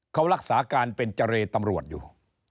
เขารักษาการเป็นเจรตำรวจอยู่